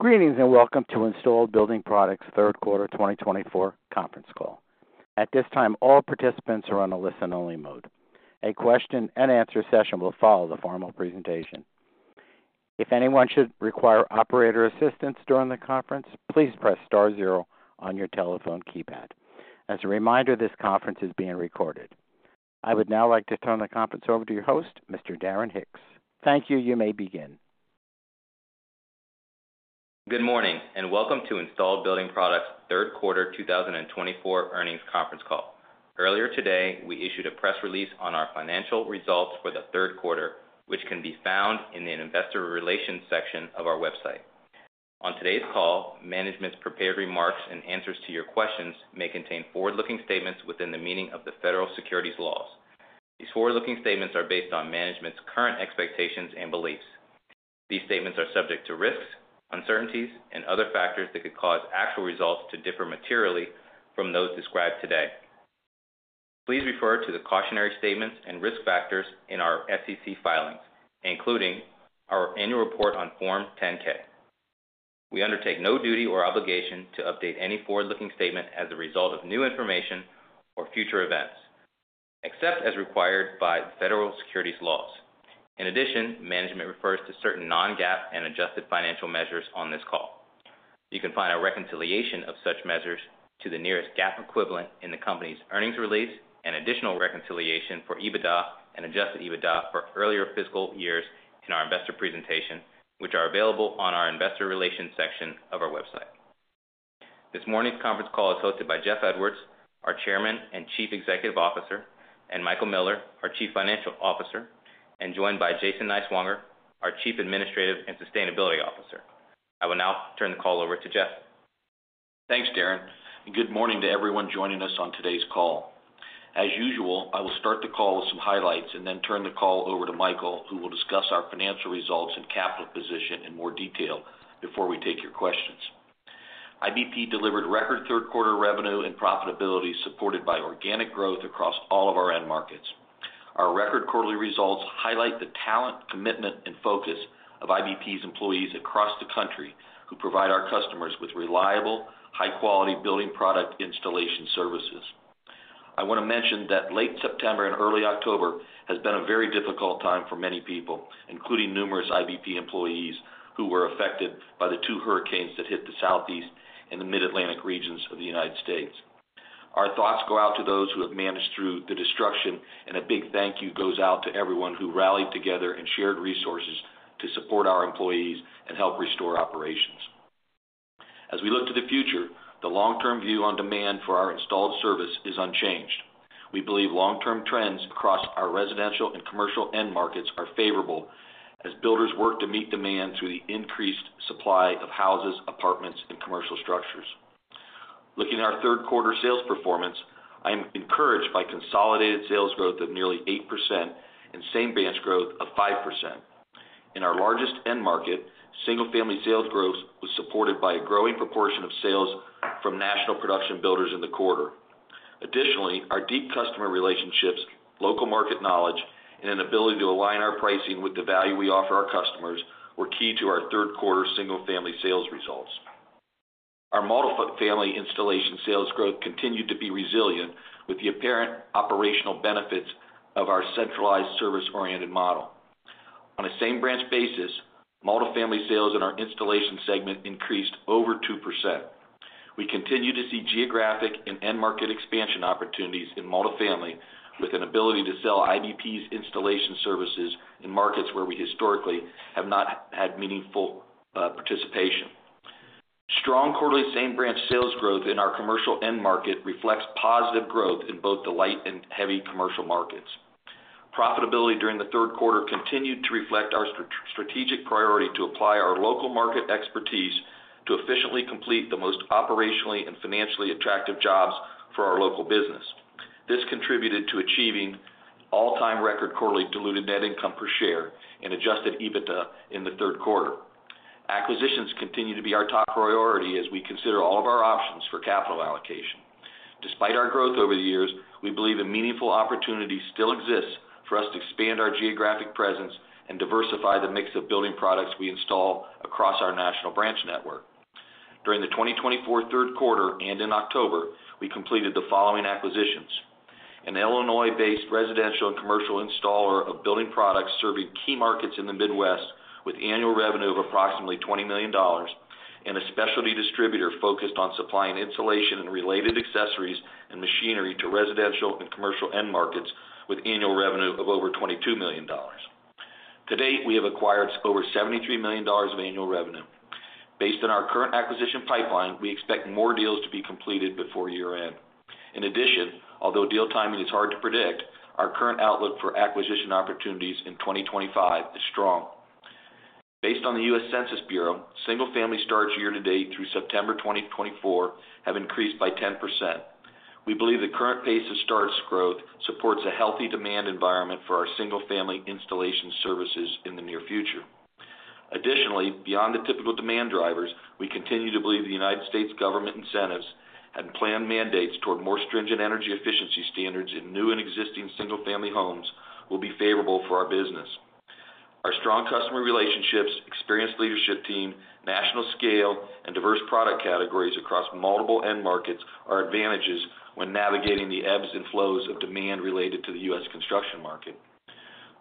Greetings and welcome to Installed Building Products Third Quarter 2024 conference call. At this time, all participants are on a listen-only mode. A question-and-answer session will follow the formal presentation. If anyone should require operator assistance during the conference, please press star zero on your telephone keypad. As a reminder, this conference is being recorded. I would now like to turn the conference over to your host, Mr. Darren Hicks. Thank you. You may begin. Good morning and welcome to Installed Building Products Third Quarter 2024 earnings conference call. Earlier today, we issued a press release on our financial results for the third quarter, which can be found in the investor relations section of our website. On today's call, management's prepared remarks and answers to your questions may contain forward-looking statements within the meaning of the federal securities laws. These forward-looking statements are based on management's current expectations and beliefs. These statements are subject to risks, uncertainties, and other factors that could cause actual results to differ materially from those described today. Please refer to the cautionary statements and risk factors in our SEC filings, including our annual report on Form 10-K. We undertake no duty or obligation to update any forward-looking statement as a result of new information or future events, except as required by federal securities laws. In addition, management refers to certain non-GAAP and adjusted financial measures on this call. You can find a reconciliation of such measures to the nearest GAAP equivalent in the company's earnings release and additional reconciliation for EBITDA and adjusted EBITDA for earlier fiscal years in our investor presentation, which are available on our investor relations section of our website. This morning's conference call is hosted by Jeff Edwards, our Chairman and Chief Executive Officer, and Michael Miller, our Chief Financial Officer, and joined by Jason Niswonger, our Chief Administrative and Sustainability Officer. I will now turn the call over to Jeff. Thanks, Darren. And good morning to everyone joining us on today's call. As usual, I will start the call with some highlights and then turn the call over to Michael, who will discuss our financial results and capital position in more detail before we take your questions. IBP delivered record third-quarter revenue and profitability supported by organic growth across all of our end markets. Our record quarterly results highlight the talent, commitment, and focus of IBP's employees across the country who provide our customers with reliable, high-quality building product installation services. I want to mention that late September and early October has been a very difficult time for many people, including numerous IBP employees who were affected by the two hurricanes that hit the Southeast and the Mid-Atlantic regions of the United States. Our thoughts go out to those who have managed through the destruction, and a big thank you goes out to everyone who rallied together and shared resources to support our employees and help restore operations. As we look to the future, the long-term view on demand for our installed service is unchanged. We believe long-term trends across our residential and commercial end markets are favorable as builders work to meet demand through the increased supply of houses, apartments, and commercial structures. Looking at our third-quarter sales performance, I am encouraged by consolidated sales growth of nearly 8% and same-branch growth of 5%. In our largest end market, single-family sales growth was supported by a growing proportion of sales from national production builders in the quarter. Additionally, our deep customer relationships, local market knowledge, and an ability to align our pricing with the value we offer our customers were key to our third-quarter single-family sales results. Our multi-family installation sales growth continued to be resilient with the apparent operational benefits of our centralized service-oriented model. On a same-branch basis, multi-family sales in our installation segment increased over 2%. We continue to see geographic and end market expansion opportunities in multi-family with an ability to sell IBP's installation services in markets where we historically have not had meaningful participation. Strong quarterly same-branch sales growth in our commercial end market reflects positive growth in both the light and heavy commercial markets. Profitability during the third quarter continued to reflect our strategic priority to apply our local market expertise to efficiently complete the most operationally and financially attractive jobs for our local business. This contributed to achieving all-time record quarterly diluted net income per share and Adjusted EBITDA in the third quarter. Acquisitions continue to be our top priority as we consider all of our options for capital allocation. Despite our growth over the years, we believe a meaningful opportunity still exists for us to expand our geographic presence and diversify the mix of building products we install across our national branch network. During the 2024 third quarter and in October, we completed the following acquisitions: an Illinois-based residential and commercial installer of building products serving key markets in the Midwest with annual revenue of approximately $20 million, and a specialty distributor focused on supplying insulation and related accessories and machinery to residential and commercial end markets with annual revenue of over $22 million. To date, we have acquired over $73 million of annual revenue. Based on our current acquisition pipeline, we expect more deals to be completed before year-end. In addition, although deal timing is hard to predict, our current outlook for acquisition opportunities in 2025 is strong. Based on the U.S. Census Bureau, single-family starts year-to-date through September 2024 have increased by 10%. We believe the current pace of starts growth supports a healthy demand environment for our single-family installation services in the near future. Additionally, beyond the typical demand drivers, we continue to believe the United States government incentives and planned mandates toward more stringent energy efficiency standards in new and existing single-family homes will be favorable for our business. Our strong customer relationships, experienced leadership team, national scale, and diverse product categories across multiple end markets are advantages when navigating the ebbs and flows of demand related to the U.S. construction market.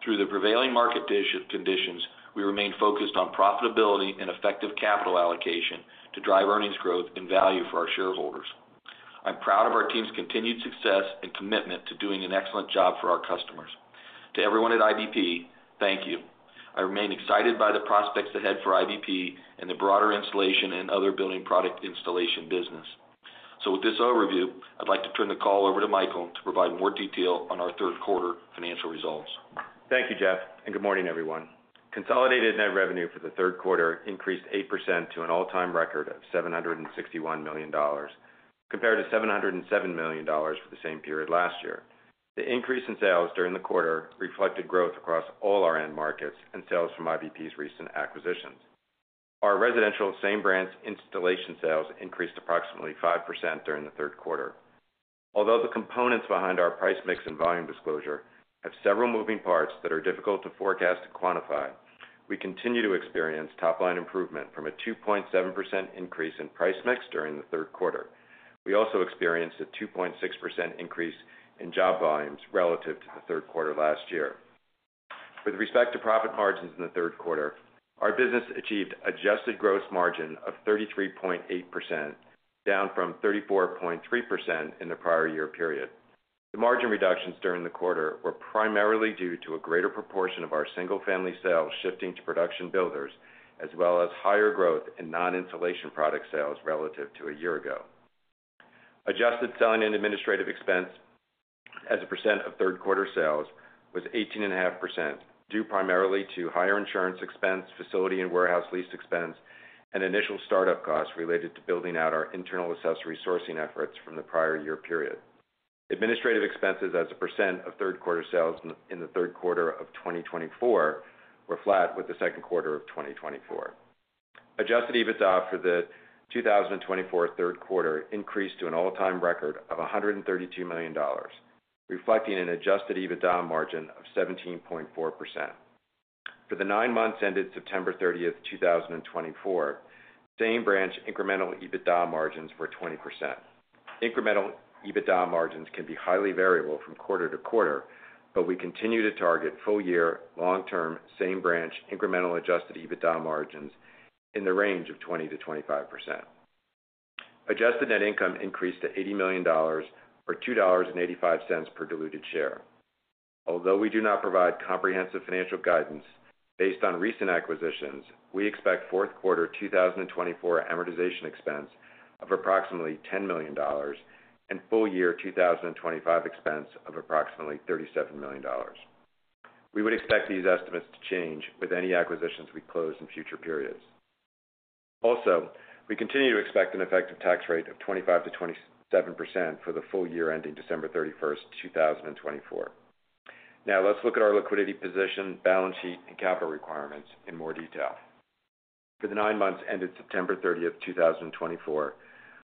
Through the prevailing market conditions, we remain focused on profitability and effective capital allocation to drive earnings growth and value for our shareholders. I'm proud of our team's continued success and commitment to doing an excellent job for our customers. To everyone at IBP, thank you. I remain excited by the prospects ahead for IBP and the broader installation and other building product installation business. So with this overview, I'd like to turn the call over to Michael to provide more detail on our third-quarter financial results. Thank you, Jeff, and good morning, everyone. Consolidated net revenue for the third quarter increased 8% to an all-time record of $761 million, compared to $707 million for the same period last year. The increase in sales during the quarter reflected growth across all our end markets and sales from IBP's recent acquisitions. Our residential same-branch installation sales increased approximately 5% during the third quarter. Although the components behind our price mix and volume disclosure have several moving parts that are difficult to forecast and quantify, we continue to experience top-line improvement from a 2.7% increase in price mix during the third quarter. We also experienced a 2.6% increase in job volumes relative to the third quarter last year. With respect to profit margins in the third quarter, our business achieved an adjusted gross margin of 33.8%, down from 34.3% in the prior year period. The margin reductions during the quarter were primarily due to a greater proportion of our single-family sales shifting to production builders, as well as higher growth in non-installation product sales relative to a year ago. Adjusted selling and administrative expense as a percent of third-quarter sales was 18.5%, due primarily to higher insurance expense, facility and warehouse lease expense, and initial startup costs related to building out our internal accessory sourcing efforts from the prior year period. Administrative expenses as a percent of third-quarter sales in the third quarter of 2024 were flat with the second quarter of 2024. Adjusted EBITDA for the 2024 third quarter increased to an all-time record of $132 million, reflecting an adjusted EBITDA margin of 17.4%. For the nine months ended September 30, 2024, same-branch incremental EBITDA margins were 20%. Incremental EBITDA margins can be highly variable from quarter to quarter, but we continue to target full-year, long-term, same-branch, incremental adjusted EBITDA margins in the range of 20%-25%. Adjusted net income increased to $80 million or $2.85 per diluted share. Although we do not provide comprehensive financial guidance based on recent acquisitions, we expect fourth quarter 2024 amortization expense of approximately $10 million and full-year 2025 expense of approximately $37 million. We would expect these estimates to change with any acquisitions we close in future periods. Also, we continue to expect an effective tax rate of 25%-27% for the full year ending December 31, 2024. Now, let's look at our liquidity position, balance sheet, and capital requirements in more detail. For the nine months ended September 30, 2024,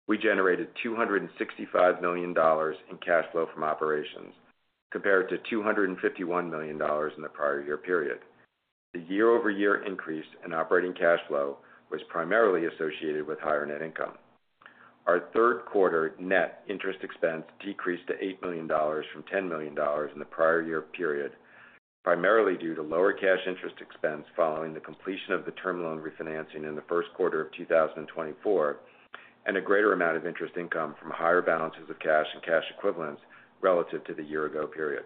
we generated $265 million in cash flow from operations, compared to $251 million in the prior year period. The year-over-year increase in operating cash flow was primarily associated with higher net income. Our third-quarter net interest expense decreased to $8 million from $10 million in the prior year period, primarily due to lower cash interest expense following the completion of the term loan refinancing in the first quarter of 2024 and a greater amount of interest income from higher balances of cash and cash equivalents relative to the year-ago period.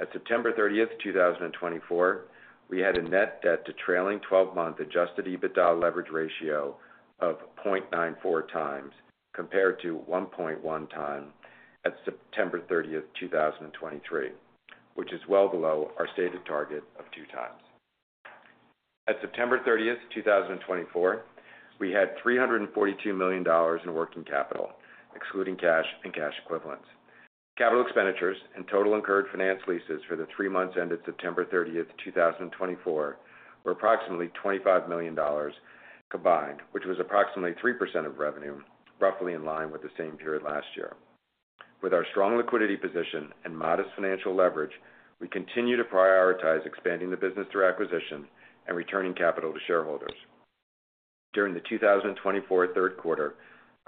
At September 30, 2024, we had a net debt to trailing 12-month Adjusted EBITDA leverage ratio of 0.94 times, compared to 1.1 time at September 30, 2023, which is well below our stated target of two times. At September 30, 2024, we had $342 million in working capital, excluding cash and cash equivalents. Capital expenditures and total incurred finance leases for the three months ended September 30, 2024, were approximately $25 million combined, which was approximately 3% of revenue, roughly in line with the same period last year. With our strong liquidity position and modest financial leverage, we continue to prioritize expanding the business through acquisition and returning capital to shareholders. During the 2024 third quarter,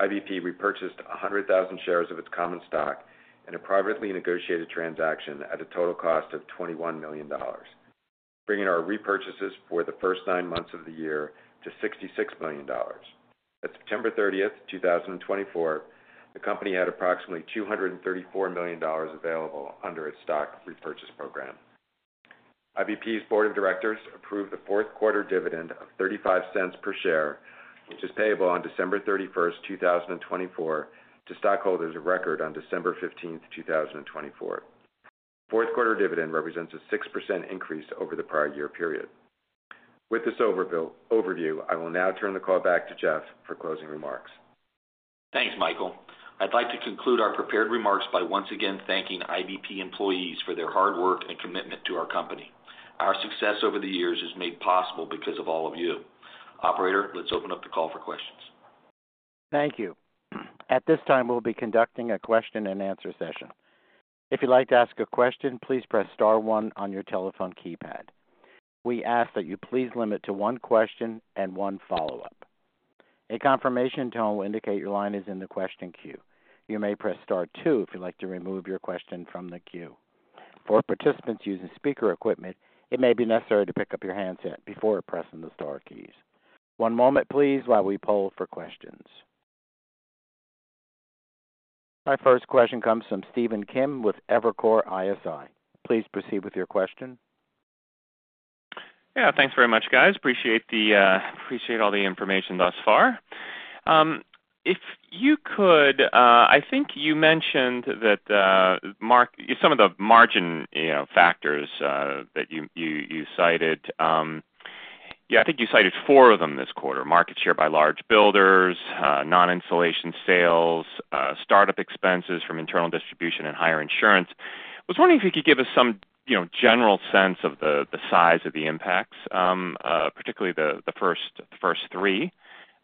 IBP repurchased 100,000 shares of its common stock in a privately negotiated transaction at a total cost of $21 million, bringing our repurchases for the first nine months of the year to $66 million. At September 30, 2024, the company had approximately $234 million available under its stock repurchase program. IBP's board of directors approved a fourth-quarter dividend of $0.35 per share, which is payable on December 31, 2024, to stockholders of record on December 15, 2024. Fourth-quarter dividend represents a 6% increase over the prior year period. With this overview, I will now turn the call back to Jeff for closing remarks. Thanks, Michael. I'd like to conclude our prepared remarks by once again thanking IBP employees for their hard work and commitment to our company. Our success over the years is made possible because of all of you. Operator, let's open up the call for questions. Thank you. At this time, we'll be conducting a question-and-answer session. If you'd like to ask a question, please press star one on your telephone keypad. We ask that you please limit to one question and one follow-up. A confirmation tone will indicate your line is in the question queue. You may press star two if you'd like to remove your question from the queue. For participants using speaker equipment, it may be necessary to pick up your handset before pressing the star keys. One moment, please, while we poll for questions. Our first question comes from Stephen Kim with Evercore ISI. Please proceed with your question. Yeah, thanks very much, guys. Appreciate all the information thus far. If you could, I think you mentioned that some of the margin factors that you cited, yeah, I think you cited four of them this quarter: market share by large builders, non-installation sales, startup expenses from internal distribution, and higher insurance. I was wondering if you could give us some general sense of the size of the impacts, particularly the first three.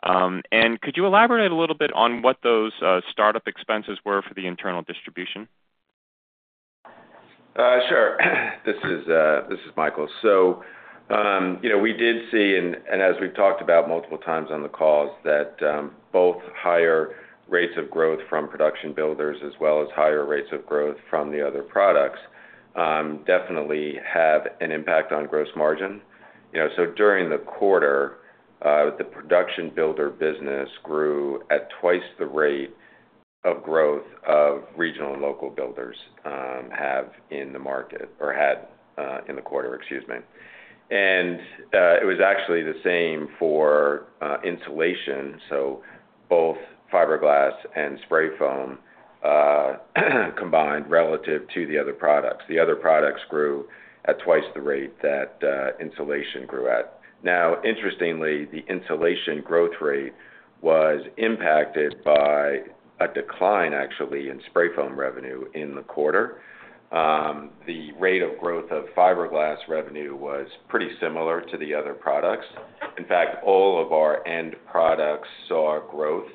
And could you elaborate a little bit on what those startup expenses were for the internal distribution? Sure. This is Michael. So we did see, and as we've talked about multiple times on the calls, that both higher rates of growth from production builders as well as higher rates of growth from the other products definitely have an impact on gross margin. So during the quarter, the production builder business grew at twice the rate of growth of regional and local builders have in the market or had in the quarter, excuse me. And it was actually the same for insulation. So both fiberglass and spray foam combined relative to the other products. The other products grew at twice the rate that insulation grew at. Now, interestingly, the insulation growth rate was impacted by a decline, actually, in spray foam revenue in the quarter. The rate of growth of fiberglass revenue was pretty similar to the other products. In fact, all of our end products saw growth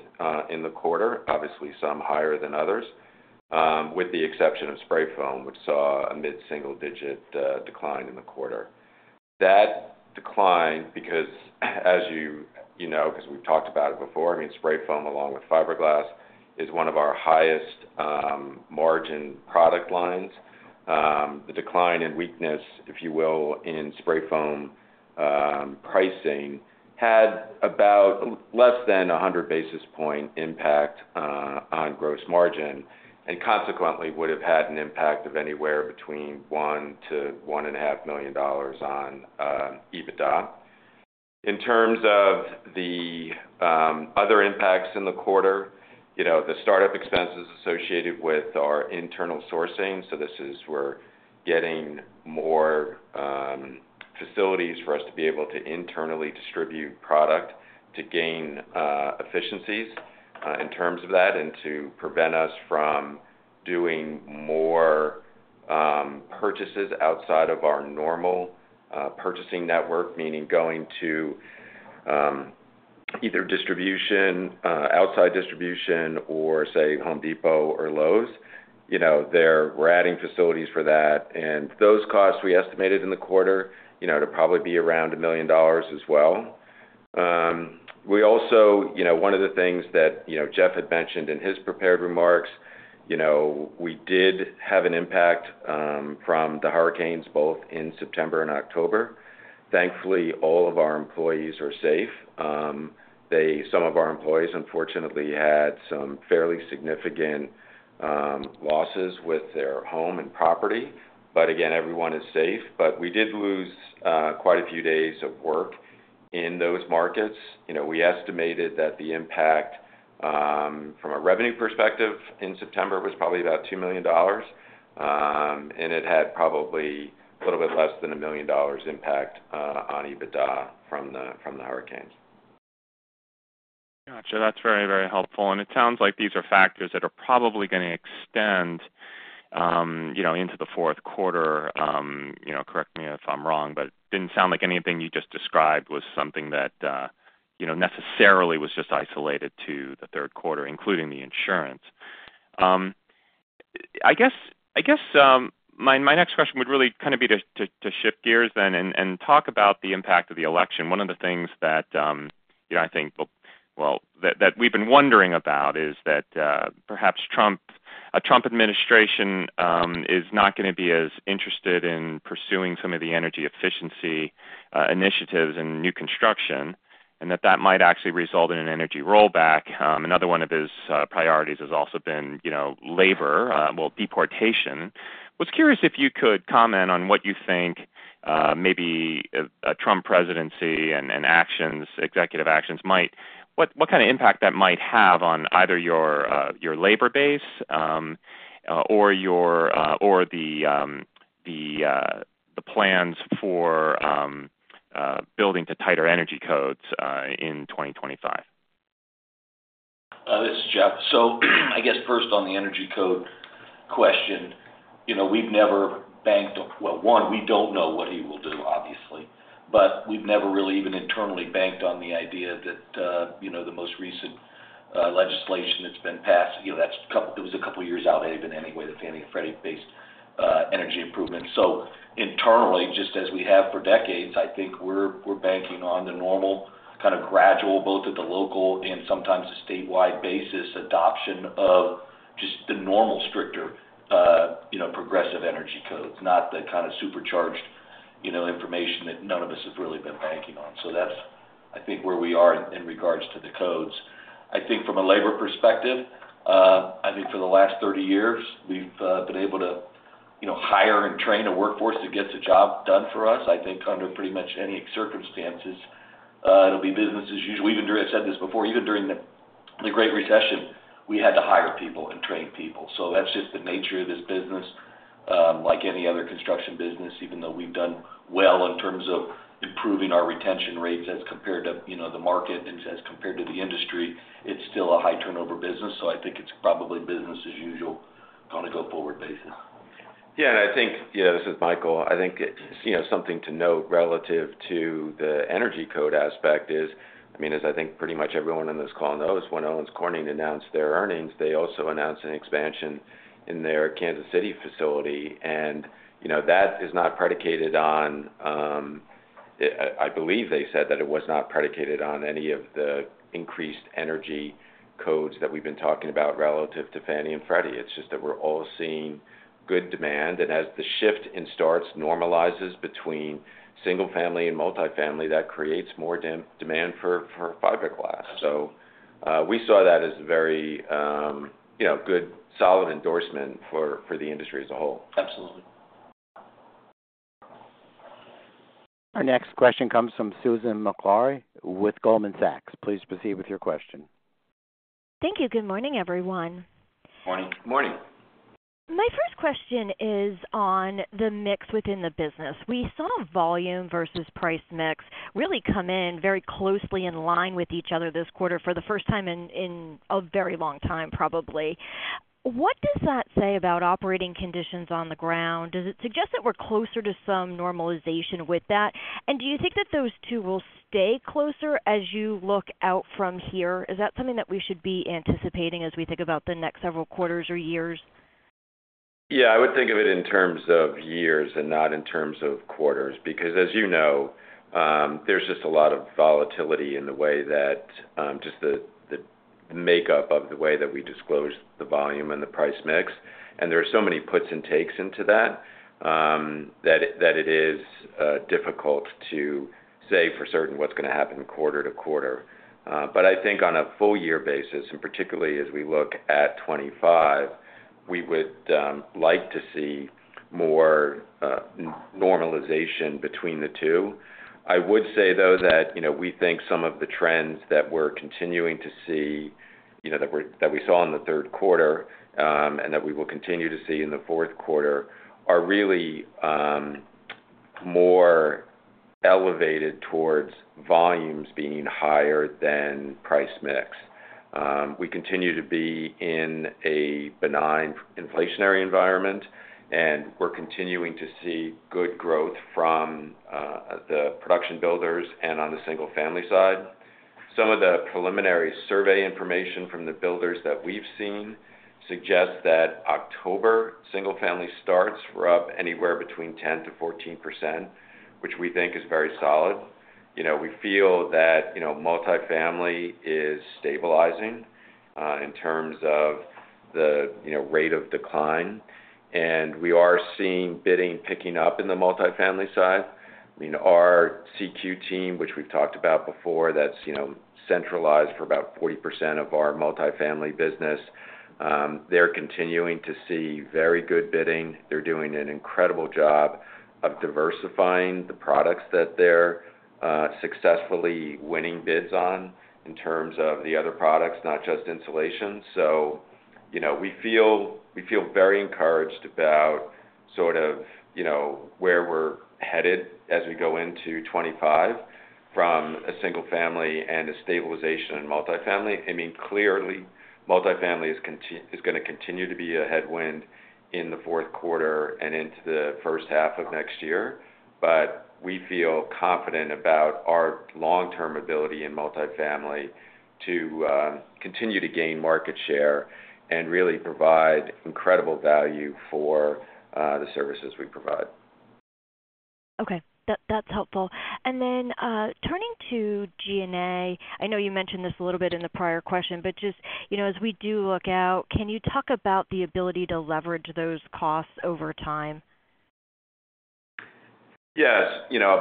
in the quarter, obviously some higher than others, with the exception of spray foam, which saw a mid-single-digit decline in the quarter. That decline, because as you know, because we've talked about it before, I mean, spray foam along with fiberglass is one of our highest margin product lines. The decline and weakness, if you will, in spray foam pricing had about less than 100 basis points impact on gross margin and consequently would have had an impact of anywhere between $1-$1.5 million on EBITDA. In terms of the other impacts in the quarter, the startup expenses associated with our internal sourcing, so this is where getting more facilities for us to be able to internally distribute product to gain efficiencies in terms of that and to prevent us from doing more purchases outside of our normal purchasing network, meaning going to either distribution, outside distribution, or say Home Depot or Lowe's. We're adding facilities for that. And those costs we estimated in the quarter to probably be around $1 million as well. We also, one of the things that Jeff had mentioned in his prepared remarks, we did have an impact from the hurricanes both in September and October. Thankfully, all of our employees are safe. Some of our employees, unfortunately, had some fairly significant losses with their home and property. But again, everyone is safe. But we did lose quite a few days of work in those markets. We estimated that the impact from a revenue perspective in September was probably about $2 million, and it had probably a little bit less than $1 million impact on EBITDA from the hurricanes. Gotcha. That's very, very helpful. And it sounds like these are factors that are probably going to extend into the fourth quarter. Correct me if I'm wrong, but it didn't sound like anything you just described was something that necessarily was just isolated to the third quarter, including the insurance. I guess my next question would really kind of be to shift gears then and talk about the impact of the election. One of the things that I think, well, that we've been wondering about is that perhaps a Trump administration is not going to be as interested in pursuing some of the energy efficiency initiatives and new construction, and that that might actually result in an energy rollback. Another one of his priorities has also been labor, well, deportation. I was curious if you could comment on what you think maybe a Trump presidency and executive actions might, what kind of impact that might have on either your labor base or the plans for building to tighter energy codes in 2025? This is Jeff. So I guess first on the energy code question, we've never banked on, well, one, we don't know what he will do, obviously, but we've never really even internally banked on the idea that the most recent legislation that's been passed. It was a couple of years out, even anyway, the Fannie and Freddie-based energy improvements. So internally, just as we have for decades, I think we're banking on the normal kind of gradual, both at the local and sometimes the statewide basis adoption of just the normal stricter progressive energy codes, not the kind of supercharged information that none of us have really been banking on. So that's, I think, where we are in regards to the codes. I think from a labor perspective, I think for the last 30 years, we've been able to hire and train a workforce that gets a job done for us, I think, under pretty much any circumstances. It'll be business as usual. I've said this before. Even during the Great Recession, we had to hire people and train people. So that's just the nature of this business, like any other construction business, even though we've done well in terms of improving our retention rates as compared to the market and as compared to the industry, it's still a high turnover business. So I think it's probably business as usual, kind of go forward basis. Yeah, and I think, yeah, this is Michael. I think something to note relative to the energy code aspect is, I mean, as I think pretty much everyone on this call knows, when Owens Corning announced their earnings, they also announced an expansion in their Kansas City facility, and that is not predicated on, I believe they said that it was not predicated on any of the increased energy codes that we've been talking about relative to Fannie and Freddie. It's just that we're all seeing good demand, and as the shift in starts normalizes between single-family and multi-family, that creates more demand for fiberglass. So we saw that as a very good, solid endorsement for the industry as a whole. Absolutely. Our next question comes from Susan Maklari with Goldman Sachs. Please proceed with your question. Thank you. Good morning, everyone. Morning. Morning. My first question is on the mix within the business. We saw volume versus price mix really come in very closely in line with each other this quarter for the first time in a very long time, probably. What does that say about operating conditions on the ground? Does it suggest that we're closer to some normalization with that? And do you think that those two will stay closer as you look out from here? Is that something that we should be anticipating as we think about the next several quarters or years? Yeah. I would think of it in terms of years and not in terms of quarters because, as you know, there's just a lot of volatility in the way that just the makeup of the way that we disclose the volume and the price mix, and there are so many puts and takes into that that it is difficult to say for certain what's going to happen quarter to quarter, but I think on a full-year basis, and particularly as we look at 2025, we would like to see more normalization between the two. I would say, though, that we think some of the trends that we're continuing to see that we saw in the third quarter and that we will continue to see in the fourth quarter are really more elevated towards volumes being higher than price mix. We continue to be in a benign inflationary environment, and we're continuing to see good growth from the production builders and on the single-family side. Some of the preliminary survey information from the builders that we've seen suggests that October single-family starts were up anywhere between 10%-14%, which we think is very solid. We feel that multi-family is stabilizing in terms of the rate of decline. We are seeing bidding picking up in the multi-family side. I mean, our CQ team, which we've talked about before, that's centralized for about 40% of our multi-family business, they're continuing to see very good bidding. They're doing an incredible job of diversifying the products that they're successfully winning bids on in terms of the other products, not just insulation. So we feel very encouraged about sort of where we're headed as we go into 2025 from a single-family and a stabilization in multi-family. I mean, clearly, multi-family is going to continue to be a headwind in the fourth quarter and into the first half of next year. But we feel confident about our long-term ability in multi-family to continue to gain market share and really provide incredible value for the services we provide. Okay. That's helpful. And then turning to G&A, I know you mentioned this a little bit in the prior question, but just as we do look out, can you talk about the ability to leverage those costs over time? Yes.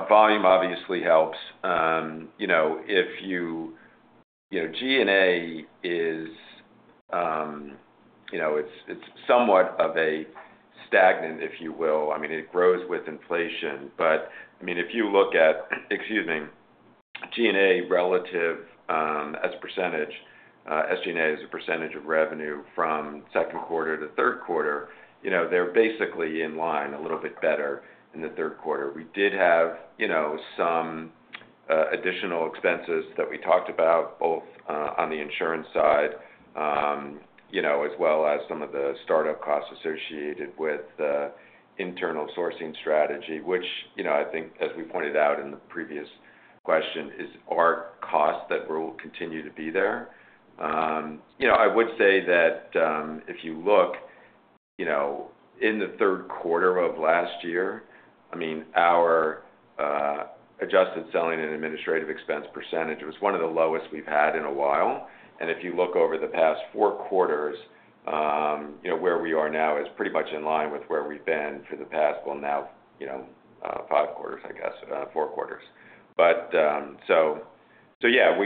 Volume obviously helps. If your G&A is, it's somewhat stagnant, if you will. I mean, it grows with inflation. But I mean, if you look at, excuse me, G&A relative as a percentage, SG&A as a percentage of revenue from second quarter to third quarter, they're basically in line a little bit better in the third quarter. We did have some additional expenses that we talked about, both on the insurance side as well as some of the startup costs associated with the internal sourcing strategy, which I think, as we pointed out in the previous question, is our cost that will continue to be there. I would say that if you look in the third quarter of last year, I mean, our adjusted selling and administrative expense percentage was one of the lowest we've had in a while. And if you look over the past four quarters, where we are now is pretty much in line with where we've been for the past, well, now five quarters, I guess, four quarters. But so yeah,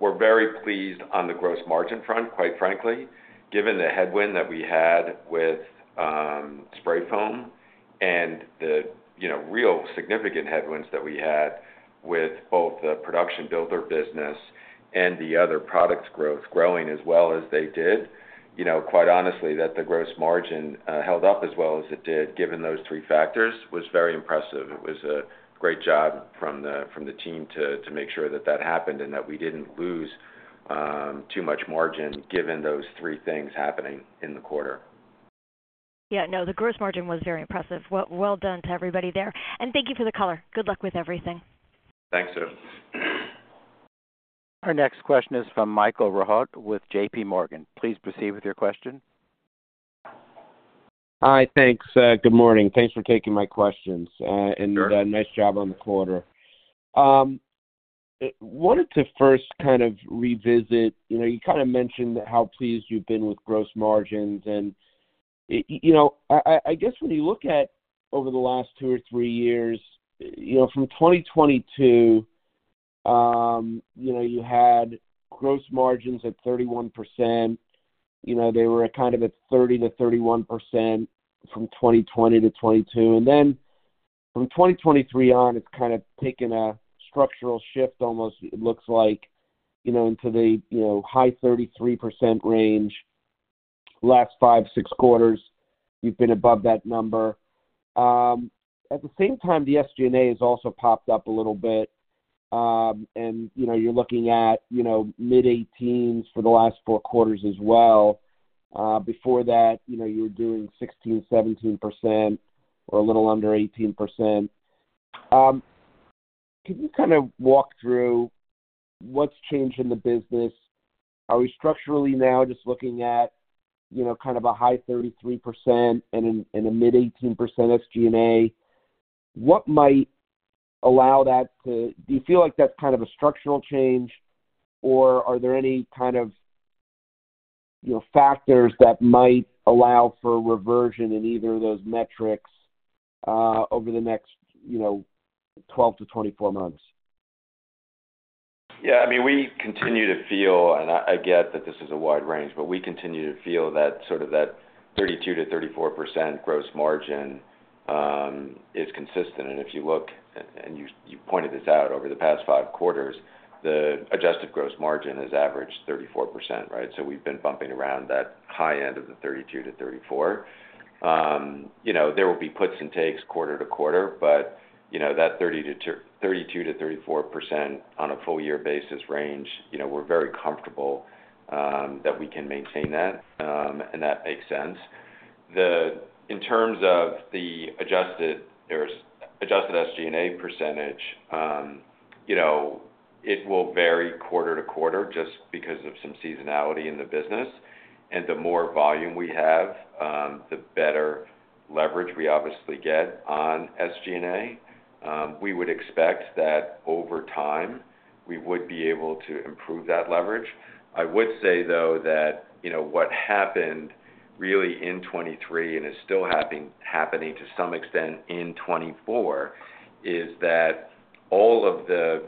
we're very pleased on the gross margin front, quite frankly, given the headwind that we had with spray foam and the real significant headwinds that we had with both the production builder business and the other products growth growing as well as they did. Quite honestly, that the gross margin held up as well as it did, given those three factors, was very impressive. It was a great job from the team to make sure that that happened and that we didn't lose too much margin given those three things happening in the quarter. Yeah. No, the gross margin was very impressive. Well done to everybody there, and thank you for the color. Good luck with everything. Thanks, sir. Our next question is from Michael Rehaut with JPMorgan. Please proceed with your question. Hi. Thanks. Good morning. Thanks for taking my questions. And nice job on the quarter. I wanted to first kind of revisit, you kind of mentioned how pleased you've been with gross margins. And I guess when you look at over the last two or three years, from 2022, you had gross margins at 31%. They were kind of at 30%-31% from 2020 to 2022. And then from 2023 on, it's kind of taken a structural shift almost, it looks like, into the high 33% range. Last five, six quarters, you've been above that number. At the same time, the SG&A has also popped up a little bit. And you're looking at mid-18s for the last four quarters as well. Before that, you were doing 16%, 17% or a little under 18%. Can you kind of walk through what's changed in the business? Are we structurally now just looking at kind of a high 33% and a mid-18% SG&A? What might allow that? Do you feel like that's kind of a structural change, or are there any kind of factors that might allow for reversion in either of those metrics over the next 12-24 months? Yeah. I mean, we continue to feel, and I get that this is a wide range, but we continue to feel that sort of that 32%-34% gross margin is consistent. If you look, and you pointed this out, over the past five quarters, the adjusted gross margin has averaged 34%, right? We've been bumping around that high end of the 32%-34%. There will be puts and takes quarter to quarter, but that 32%-34% on a full-year basis range, we're very comfortable that we can maintain that, and that makes sense. In terms of the adjusted SG&A percentage, it will vary quarter to quarter just because of some seasonality in the business. The more volume we have, the better leverage we obviously get on SG&A. We would expect that over time, we would be able to improve that leverage. I would say, though, that what happened really in 2023 and is still happening to some extent in 2024 is that all of the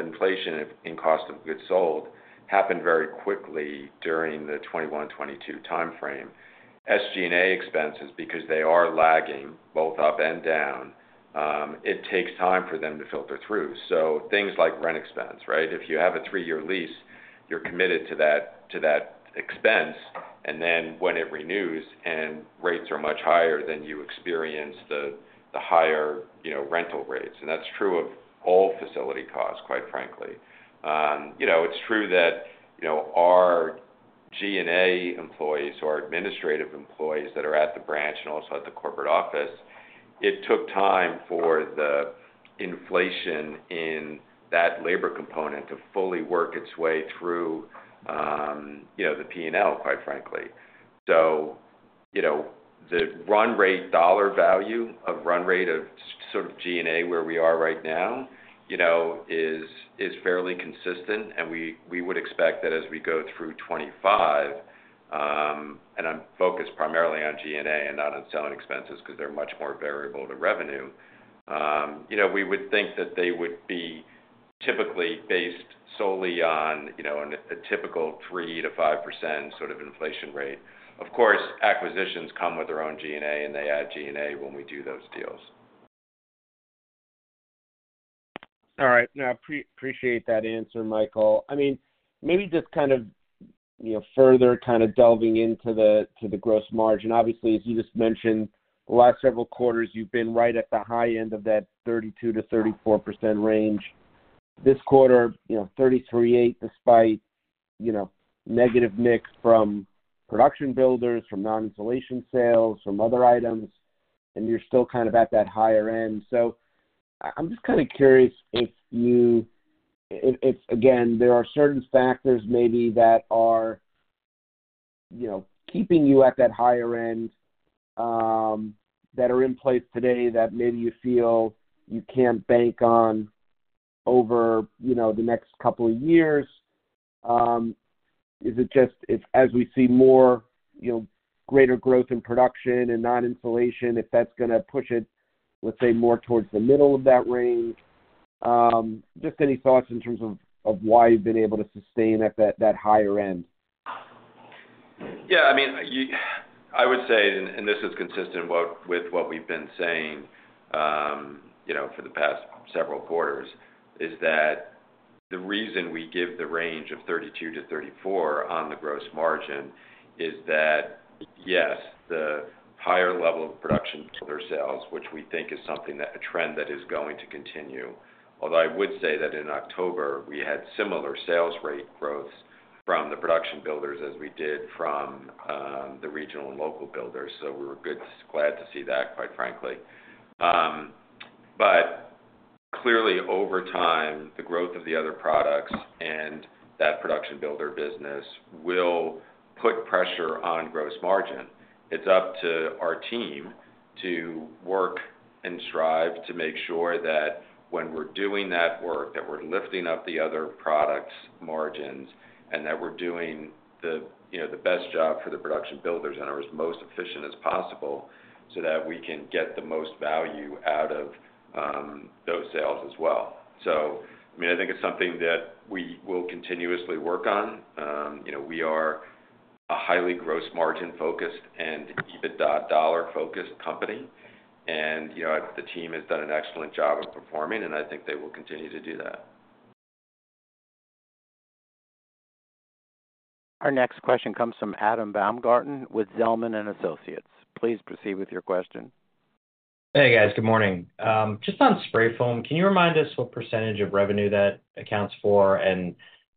inflation in cost of goods sold happened very quickly during the 2021, 2022 timeframe. SG&A expenses, because they are lagging both up and down, it takes time for them to filter through. So things like rent expense, right? If you have a three-year lease, you're committed to that expense, and then when it renews and rates are much higher, then you experience the higher rental rates. And that's true of all facility costs, quite frankly. It's true that our G&A employees, our administrative employees that are at the branch and also at the corporate office, it took time for the inflation in that labor component to fully work its way through the P&L, quite frankly. So the run rate dollar value of run rate of sort of G&A where we are right now is fairly consistent. And we would expect that as we go through 2025, and I'm focused primarily on G&A and not on selling expenses because they're much more variable to revenue, we would think that they would be typically based solely on a typical 3% to 5% sort of inflation rate. Of course, acquisitions come with their own G&A, and they add G&A when we do those deals. All right. No, I appreciate that answer, Michael. I mean, maybe just kind of further kind of delving into the gross margin. Obviously, as you just mentioned, the last several quarters, you've been right at the high end of that 32%-34% range. This quarter, 33.8% despite negative mix from production builders, from non-insulation sales, from other items, and you're still kind of at that higher end. So I'm just kind of curious if you, again, there are certain factors maybe that are keeping you at that higher end that are in place today that maybe you feel you can't bank on over the next couple of years. Is it just as we see more greater growth in production and non-insulation, if that's going to push it, let's say, more towards the middle of that range? Just any thoughts in terms of why you've been able to sustain at that higher end? Yeah. I mean, I would say, and this is consistent with what we've been saying for the past several quarters, is that the reason we give the range of 32%-34% on the gross margin is that, yes, the higher level of production builder sales, which we think is something that a trend that is going to continue. Although I would say that in October, we had similar sales rate growth from the production builders as we did from the regional and local builders, so we were glad to see that, quite frankly, but clearly, over time, the growth of the other products and that production builder business will put pressure on gross margin. It's up to our team to work and strive to make sure that when we're doing that work, that we're lifting up the other prodducts' margins and that we're doing the best job for the production builders and are as most efficient as possible so that we can get the most value out of those sales as well. So I mean, I think it's something that we will continuously work on. We are a highly gross margin-focused and EBITDA dollar-focused company. And the team has done an excellent job of performing, and I think they will continue to do that. Our next question comes from Adam Baumgarten with Zelman & Associates. Please proceed with your question. Hey, guys. Good morning. Just on spray foam, can you remind us what percentage of revenue that accounts for and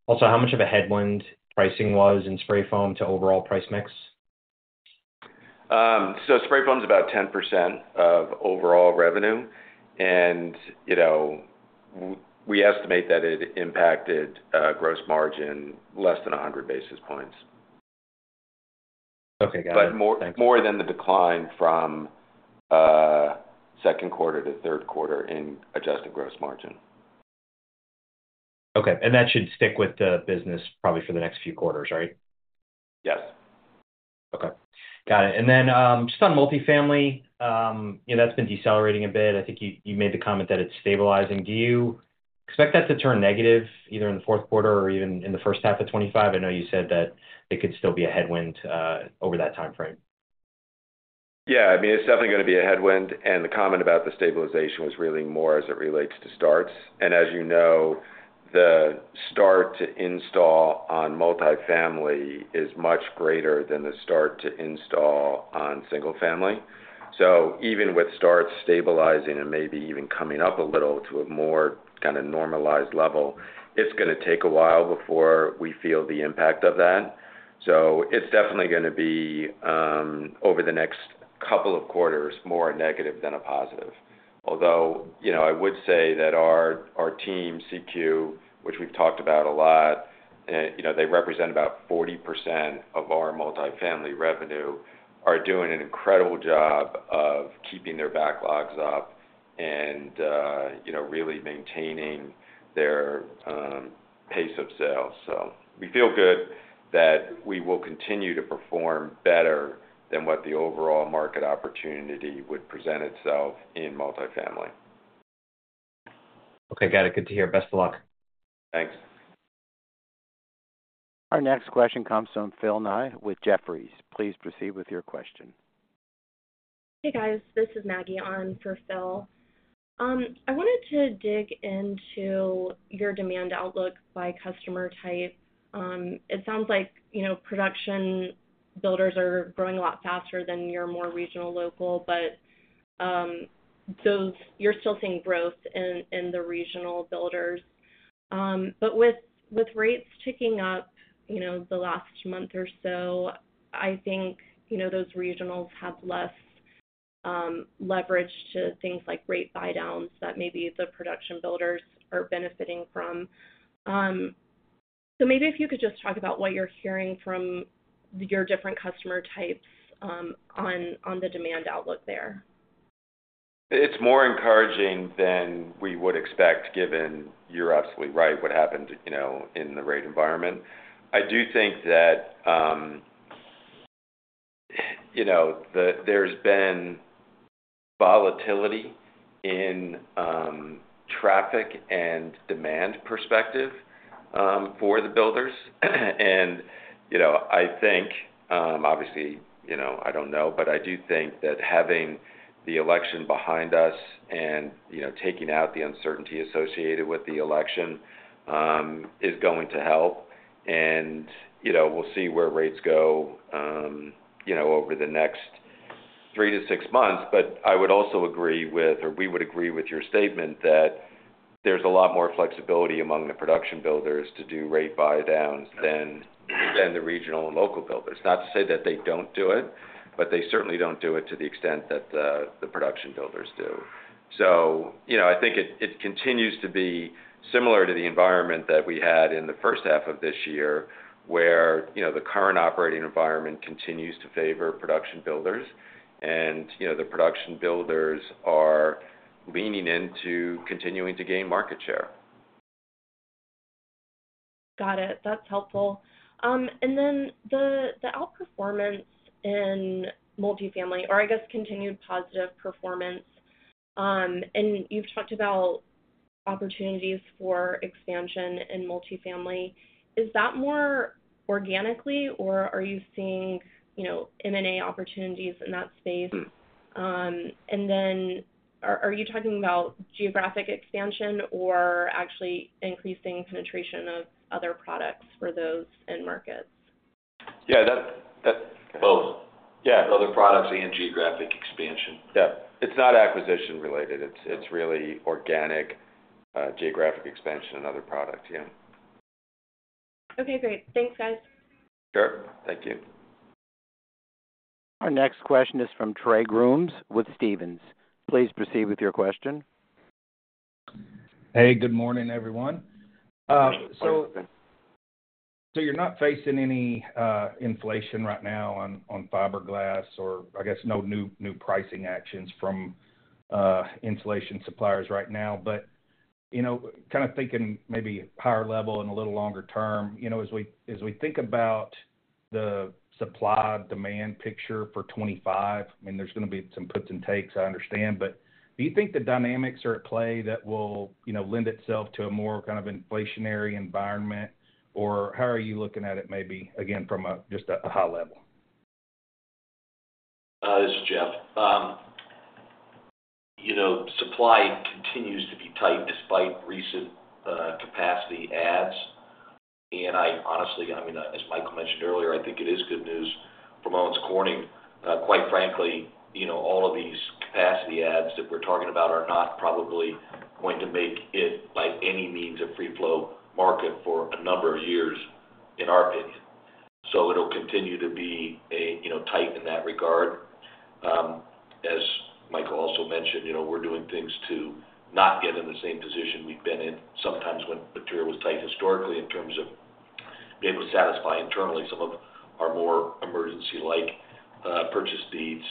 also how much of a headwind pricing was in spray foam to overall price mix? Spray foam is about 10% of overall revenue. We estimate that it impacted gross margin less than 100 basis points. Okay. Got it. Thanks. But more than the decline from second quarter to third quarter in adjusted gross margin. Okay. And that should stick with the business probably for the next few quarters, right? Yes. Okay. Got it. And then just on multi-family, that's been decelerating a bit. I think you made the comment that it's stabilizing. Do you expect that to turn negative either in the fourth quarter or even in the first half of 2025? I know you said that it could still be a headwind over that timeframe. Yeah. I mean, it's definitely going to be a headwind. And the comment about the stabilization was really more as it relates to starts. And as you know, the start to install on multi-family is much greater than the start to install on single-family. So even with starts stabilizing and maybe even coming up a little to a more kind of normalized level, it's going to take a while before we feel the impact of that. So it's definitely going to be over the next couple of quarters more a negative than a positive. Although I would say that our team, CQ, which we've talked about a lot, they represent about 40% of our multi-family revenue, are doing an incredible job of keeping their backlogs up and really maintaining their pace of sales. So we feel good that we will continue to perform better than what the overall market opportunity would present itself in multi-family. Okay. Got it. Good to hear. Best of luck. Thanks. Our next question comes from Philip Ng with Jefferies. Please proceed with your question. Hey, guys. This is Maggie on for Phil. I wanted to dig into your demand outlook by customer type. It sounds like production builders are growing a lot faster than your more regional, local, but you're still seeing growth in the regional builders. But with rates ticking up the last month or so, I think those regionals have less leverage to things like rate buy-downs that maybe the production builders are benefiting from. So maybe if you could just talk about what you're hearing from your different customer types on the demand outlook there. It's more encouraging than we would expect, given you're absolutely right, what happened in the rate environment. I do think that there's been volatility in traffic and demand perspective for the builders. And I think, obviously, I don't know, but I do think that having the election behind us and taking out the uncertainty associated with the election is going to help. And we'll see where rates go over the next three to six months. But I would also agree with, or we would agree with your statement, that there's a lot more flexibility among the production builders to do rate buy-downs than the regional and local builders. Not to say that they don't do it, but they certainly don't do it to the extent that the production builders do. So I think it continues to be similar to the environment that we had in the first half of this year, where the current operating environment continues to favor production builders, and the production builders are leaning into continuing to gain market share. Got it. That's helpful. And then the outperformance in multi-family, or I guess continued positive performance, and you've talked about opportunities for expansion in multi-family. Is that more organically, or are you seeing M&A opportunities in that space? And then are you talking about geographic expansion or actually increasing penetration of other products for those end markets? Yeah. Both. Yeah. Other products and geographic expansion. Yeah. It's not acquisition-related. It's really organic geographic expansion and other products. Yeah. Okay. Great. Thanks, guys. Sure. Thank you. Our next question is from Trey Grooms with Stephens. Please proceed with your question. Hey, good morning, everyone. So you're not facing any inflation right now on fiberglass, or I guess no new pricing actions from insulation suppliers right now. But kind of thinking maybe higher level and a little longer term, as we think about the supply demand picture for 2025, I mean, there's going to be some puts and takes, I understand. But do you think the dynamics are at play that will lend itself to a more kind of inflationary environment, or how are you looking at it maybe, again, from just a high level? This is Jeff. Supply continues to be tight despite recent capacity adds. Honestly, I mean, as Michael mentioned earlier, I think it is good news for Owens Corning. Quite frankly, all of these capacity adds that we're talking about are not probably going to make it by any means a free-flow market for a number of years, in our opinion. So it'll continue to be tight in that regard. As Michael also mentioned, we're doing things to not get in the same position we've been in sometimes when material was tight historically in terms of being able to satisfy internally some of our more emergency-like purchase needs.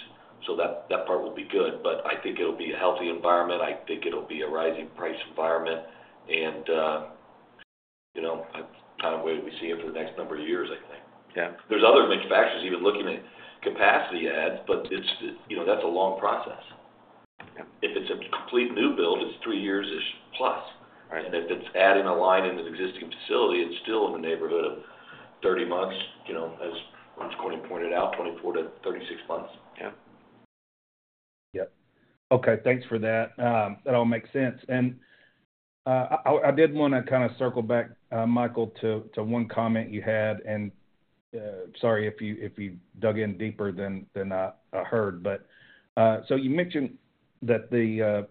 So that part will be good. But I think it'll be a healthy environment. I think it'll be a rising-price environment. And that's kind of the way we see it for the next number of years, I think. There's other manufacturers even looking at capacity adds, but that's a long process. If it's a complete new build, it's three years-ish plus. And if it's adding a line in an existing facility, it's still in the neighborhood of 30 months, as Owens Corning pointed out, 24-36 months. Yep. Okay. Thanks for that. That all makes sense. And I did want to kind of circle back, Michael, to one comment you had. And sorry if you dug in deeper than I heard. But so you mentioned that the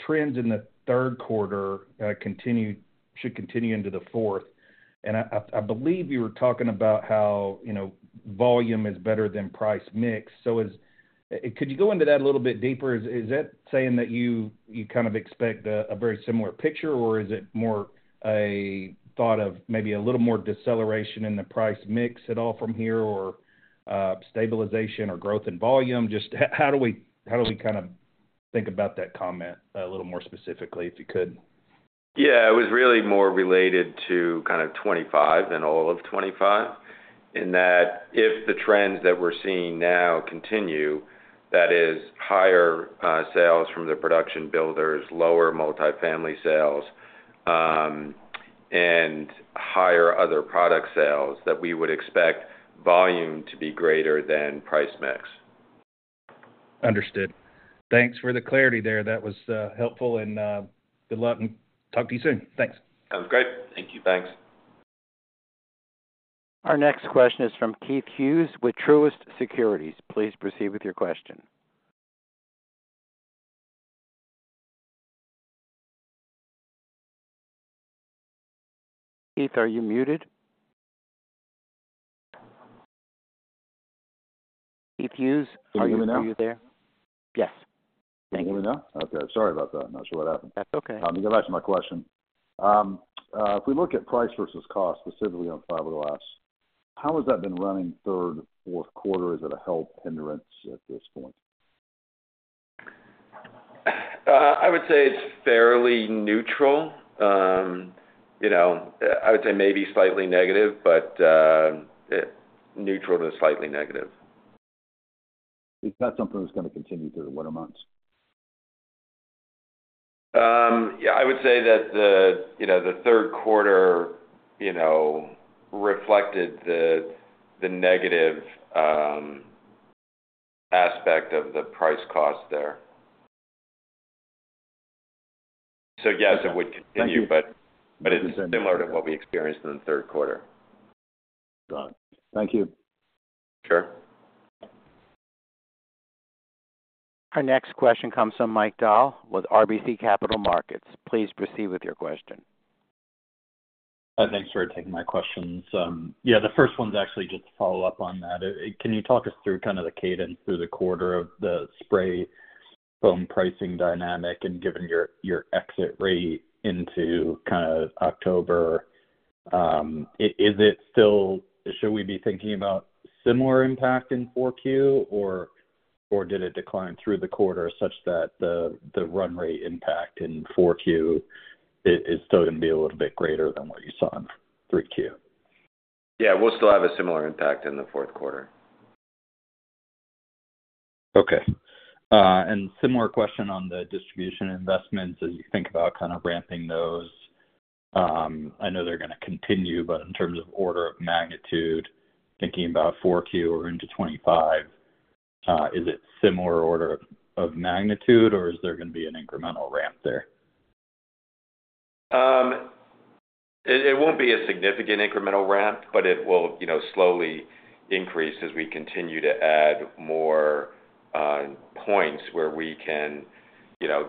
trends in the third quarter should continue into the fourth. And I believe you were talking about how volume is better than price mix. So could you go into that a little bit deeper? Is that saying that you kind of expect a very similar picture, or is it more a thought of maybe a little more deceleration in the price mix at all from here, or stabilization or growth in volume? Just how do we kind of think about that comment a little more specifically, if you could? Yeah. It was really more related to kind of 2025 and all of 2025, in that if the trends that we're seeing now continue, that is, higher sales from the production builders, lower multi-family sales, and higher other product sales, that we would expect volume to be greater than price mix. Understood. Thanks for the clarity there. That was helpful, and good luck, and talk to you soon. Thanks. Sounds great. Thank you. Thanks. Our next question is from Keith Hughes with Truist Securities. Please proceed with your question. Keith, are you muted? Keith Hughes, are you there? Okay. Sorry about that. I'm not sure what happened. That's okay. I'll be back to my question. If we look at price versus cost, specifically on fiberglass, how has that been running third, fourth quarter? Is it a headwind at this point? I would say it's fairly neutral. I would say maybe slightly negative, but neutral to slightly negative. Is that something that's going to continue through the winter months? Yeah. I would say that the third quarter reflected the negative aspect of the price cost there. So yes, it would continue, but it's similar to what we experienced in the third quarter. Got it. Thank you. Sure. Our next question comes from Mike Dahl with RBC Capital Markets. Please proceed with your question. Thanks for taking my questions. Yeah. The first one's actually just to follow up on that. Can you talk us through kind of the cadence through the quarter of the spray foam pricing dynamic? And given your exit rate into kind of October, should we be thinking about similar impact in 4Q, or did it decline through the quarter such that the run rate impact in 4Q is still going to be a little bit greater than what you saw in 3Q? Yeah. We'll still have a similar impact in the fourth quarter. Okay. And similar question on the distribution investments. As you think about kind of ramping those, I know they're going to continue, but in terms of order of magnitude, thinking about 4Q or into 2025, is it similar order of magnitude, or is there going to be an incremental ramp there? It won't be a significant incremental ramp, but it will slowly increase as we continue to add more points where we can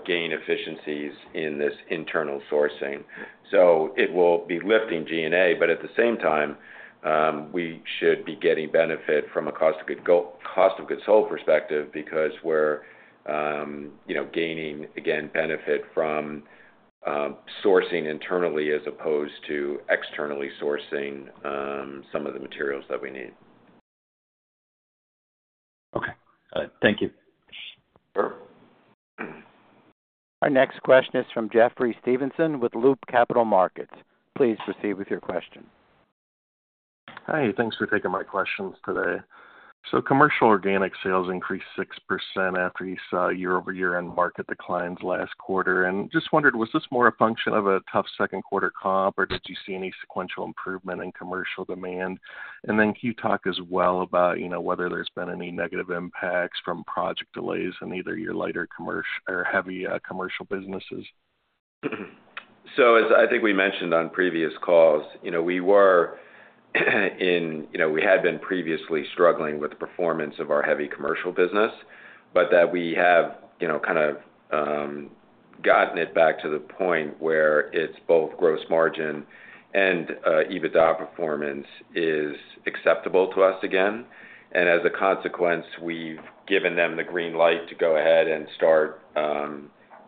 gain efficiencies in this internal sourcing. So it will be lifting G&A, but at the same time, we should be getting benefit from a cost-of-goods sold perspective because we're gaining, again, benefit from sourcing internally as opposed to externally sourcing some of the materials that we need. Okay. Thank you. Sure. Our next question is from Jeffrey Stevenson with Loop Capital Markets. Please proceed with your question. Hi. Thanks for taking my questions today. So commercial organic sales increased 6% after you saw year-over-year end market declines last quarter. And just wondered, was this more a function of a tough second quarter comp, or did you see any sequential improvement in commercial demand? And then can you talk as well about whether there's been any negative impacts from project delays in either your lighter or heavy commercial businesses? So, as I think we mentioned on previous calls, we had been previously struggling with the performance of our heavy commercial business, but that we have kind of gotten it back to the point where it's both gross margin and EBITDA performance is acceptable to us again. And as a consequence, we've given them the green light to go ahead and start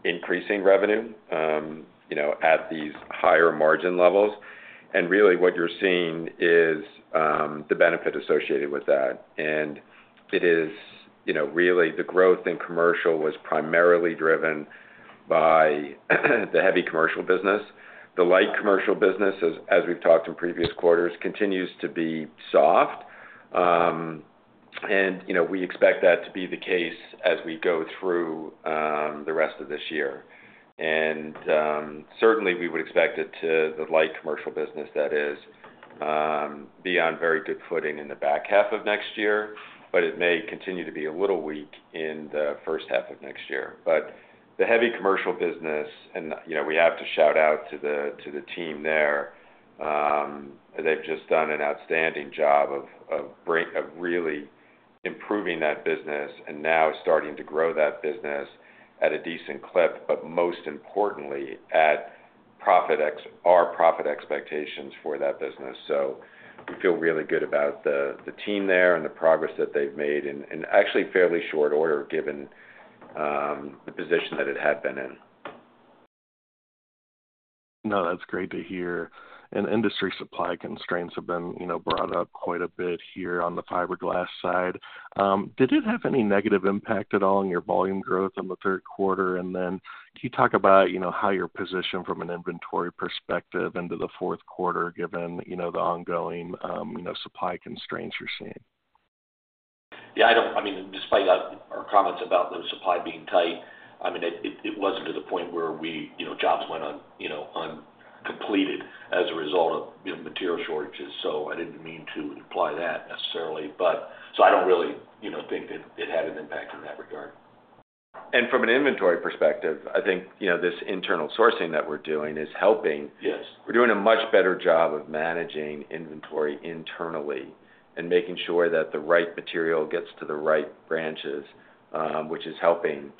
increasing revenue at these higher margin levels. And really, what you're seeing is the benefit associated with that. And it is really the growth in commercial was primarily driven by the heavy commercial business. The light commercial business, as we've talked in previous quarters, continues to be soft. And we expect that to be the case as we go through the rest of this year. And certainly, we would expect it to, the light commercial business, that is, be on very good footing in the back half of next year, but it may continue to be a little weak in the first half of next year. But the heavy commercial business, and we have to shout out to the team there, they've just done an outstanding job of really improving that business and now starting to grow that business at a decent clip, but most importantly, at our profit expectations for that business. So we feel really good about the team there and the progress that they've made in actually fairly short order given the position that it had been in. No, that's great to hear. And industry supply constraints have been brought up quite a bit here on the fiberglass side. Did it have any negative impact at all on your volume growth in the third quarter? And then can you talk about how you're positioned from an inventory perspective into the fourth quarter, given the ongoing supply constraints you're seeing? Yeah. I mean, despite our comments about the supply being tight, I mean, it wasn't to the point where our jobs went uncompleted as a result of material shortages. So I didn't mean to imply that necessarily. So I don't really think that it had an impact in that regard. From an inventory perspective, I think this internal sourcing that we're doing is helping. We're doing a much better job of managing inventory internally and making sure that the right material gets to the right branches, which is helping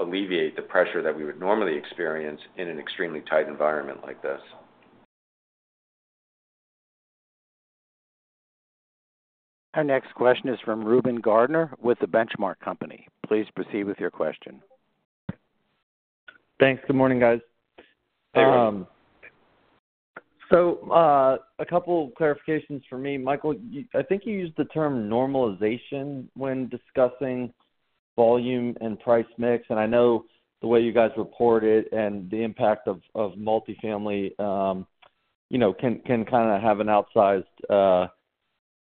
alleviate the pressure that we would normally experience in an extremely tight environment like this. Our next question is from Reuben Garner with The Benchmark Company. Please proceed with your question. Thanks. Good morning, guys. So a couple of clarifications for me. Michael, I think you used the term normalization when discussing volume and price mix. And I know the way you guys report it and the impact of multi-family can kind of have an outsized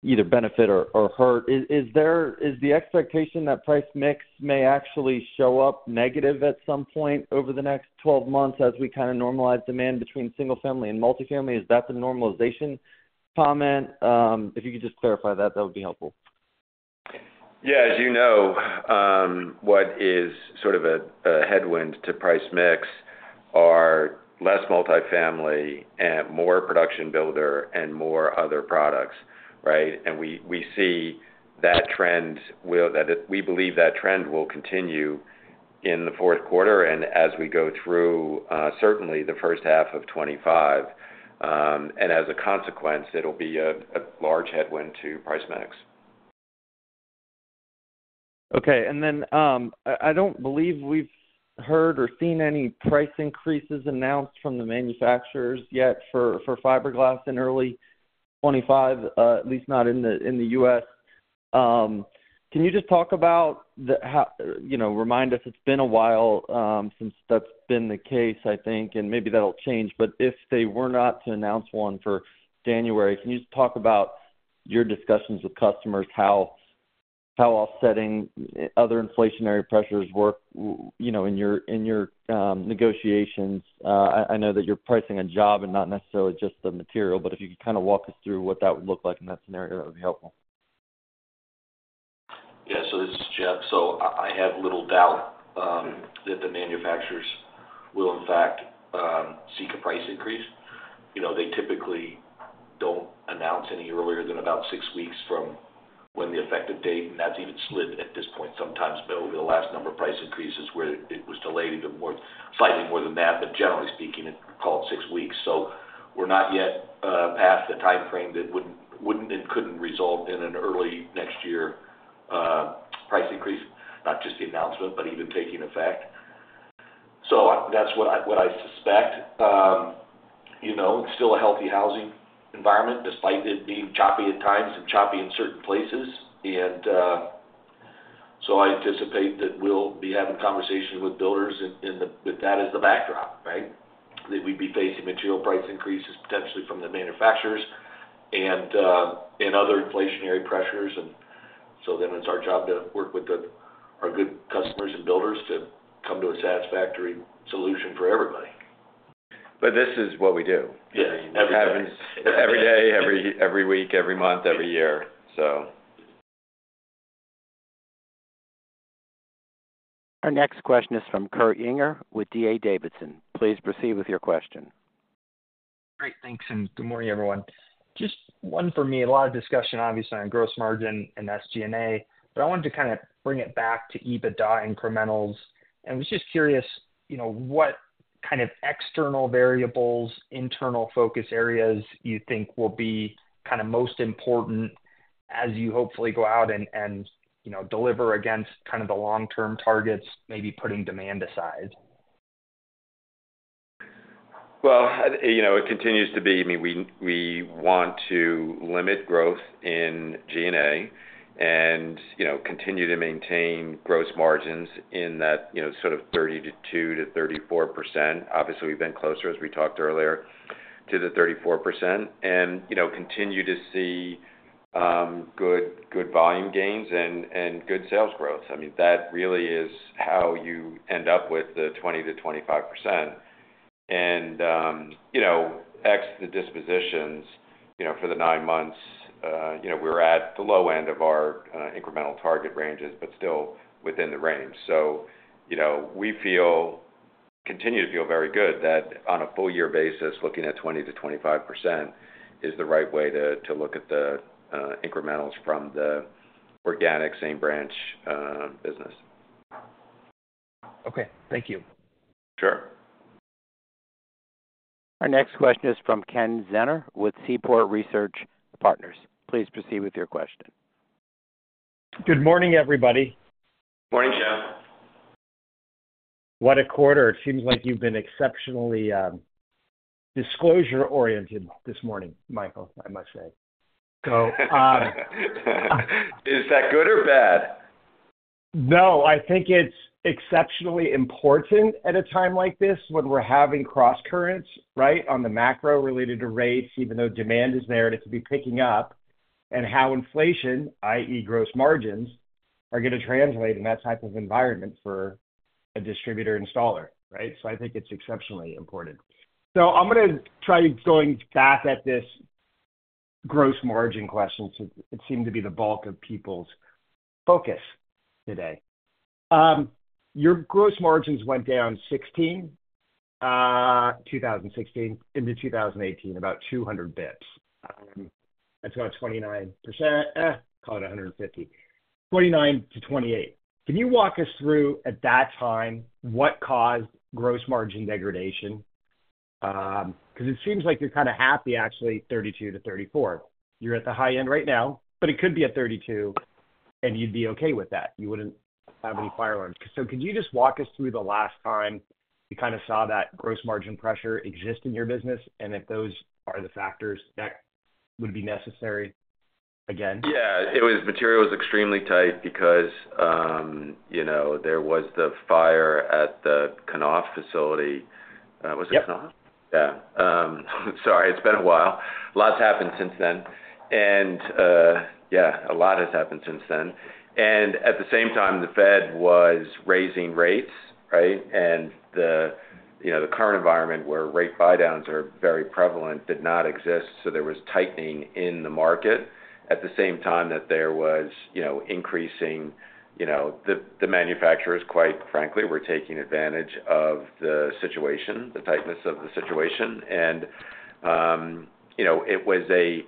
either benefit or hurt. Is the expectation that price mix may actually show up negative at some point over the next 12 months as we kind of normalize demand between single-family and multi-family? Is that the normalization comment? If you could just clarify that, that would be helpful. Yeah. As you know, what is sort of a headwind to price mix are less multi-family and more production builder and more other products, right? And we see that we believe that trend will continue in the fourth quarter and as we go through, certainly, the first half of 2025. And as a consequence, it'll be a large headwind to price mix. Okay. And then I don't believe we've heard or seen any price increases announced from the manufacturers yet for fiberglass in early 2025, at least not in the U.S. Can you just talk about and remind us it's been a while since that's been the case, I think, and maybe that'll change. But if they were not to announce one for January, can you just talk about your discussions with customers, how offsetting other inflationary pressures work in your negotiations? I know that you're pricing a job and not necessarily just the material, but if you could kind of walk us through what that would look like in that scenario, that would be helpful. Yeah. So this is Jeff. So I have little doubt that the manufacturers will, in fact, seek a price increase. They typically don't announce any earlier than about six weeks from when the effective date, and that's even slid at this point sometimes. But over the last number of price increases where it was delayed even slightly more than that, but generally speaking, it's called six weeks. So we're not yet past the timeframe that wouldn't and couldn't result in an early next year price increase, not just the announcement, but even taking effect. So that's what I suspect. It's still a healthy housing environment despite it being choppy at times and choppy in certain places. And so I anticipate that we'll be having conversations with builders with that as the backdrop, right, that we'd be facing material price increases potentially from the manufacturers and other inflationary pressures. And so then it's our job to work with our good customers and builders to come to a satisfactory solution for everybody. This is what we do. I mean, it happens every day, every week, every month, every year, so. Our next question is from Kurt Yinger with D.A. Davidson. Please proceed with your question. Great. Thanks. And good morning, everyone. Just one for me. A lot of discussion, obviously, on gross margin and SG&A, but I wanted to kind of bring it back to EBITDA incrementals. And I was just curious what kind of external variables, internal focus areas you think will be kind of most important as you hopefully go out and deliver against kind of the long-term targets, maybe putting demand aside. It continues to be I mean, we want to limit growth in G&A and continue to maintain gross margins in that sort of 32%-34%. Obviously, we've been closer, as we talked earlier, to the 34% and continue to see good volume gains and good sales growth. I mean, that really is how you end up with the 20%-25%. And ex the dispositions for the nine months, we're at the low end of our incremental target ranges, but still within the range. So we continue to feel very good that on a full-year basis, looking at 20%-25% is the right way to look at the incrementals from the organic same-branch business. Okay. Thank you. Sure. Our next question is from Ken Zener with Seaport Research Partners. Please proceed with your question. Good morning, everybody. Morning, Jeff. What a quarter. It seems like you've been exceptionally disclosure-oriented this morning, Michael, I must say. Is that good or bad? No. I think it's exceptionally important at a time like this when we're having cross-currents, right, on the macro related to rates, even though demand is there and it could be picking up, and how inflation, i.e., gross margins, are going to translate in that type of environment for a distributor installer, right? So I think it's exceptionally important. So I'm going to try going back at this gross margin question. It seemed to be the bulk of people's focus today. Your gross margins went down 2016 into 2018 about 200 basis points. That's about 29%. Call it 150. 29%-28%. Can you walk us through at that time what caused gross margin degradation? Because it seems like you're kind of happy, actually, 32%-34%. You're at the high end right now, but it could be at 32%, and you'd be okay with that. You wouldn't have any fire alarms. So could you just walk us through the last time you kind of saw that gross margin pressure exist in your business? And if those are the factors, that would be necessary again? Yeah. The material was extremely tight because there was the fire at the Knauf facility. Was it Knauf? Yeah. Sorry. It's been a while. A lot's happened since then. And yeah, a lot has happened since then. And at the same time, the Fed was raising rates, right? And the current environment where rate buy-downs are very prevalent did not exist. So there was tightening in the market at the same time that there was increasing. The manufacturers, quite frankly, were taking advantage of the situation, the tightness of the situation. And it was a